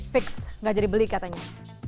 fix gak jadi beli katanya